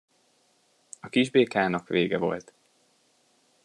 A kisbékának vége volt.